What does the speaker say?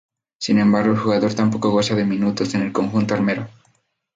Sin embargo el jugador tampoco goza de minutos en el conjunto "armero".